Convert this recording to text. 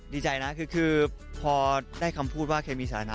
ดีใจนะคือพอได้คำพูดว่าเคมีสถานะ